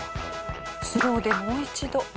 スローでもう一度。